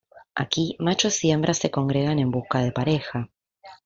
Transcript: Aquí, machos y hembras se congregan en busca de pareja.